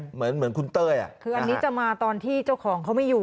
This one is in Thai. เหมือนเหมือนคุณเต้ยอ่ะคืออันนี้จะมาตอนที่เจ้าของเขาไม่อยู่